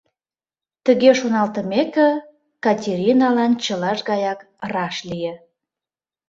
Тыге шоналтымеке, Катериналан чылаж гаяк раш лие.